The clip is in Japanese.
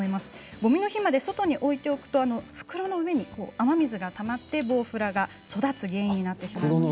ごみの日まで外に置いておくと袋の上に雨水がたまってボウフラが育つ原因になってしまいます。